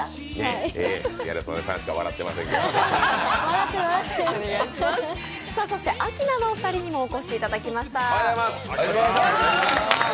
ギャル曽根さんしか笑ってないですけどそしてアキナのお二人にもお越しいただきました。